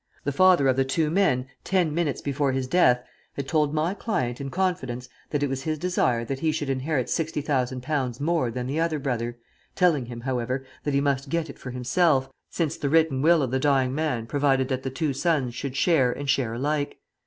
The father of the two men, ten minutes before his death, had told my client in confidence that it was his desire that he should inherit sixty thousand pounds more than the other brother, telling him, however, that he must get it for himself, since the written will of the dying man provided that the two sons should share and share alike.